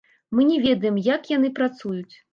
Мы не ведаем, як яны працуюць.